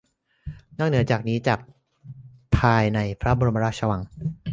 นอกเหนือจากภายในพระบรมมหาราชวัง